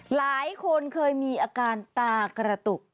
หลายคนเคยมีอาการตากระตุก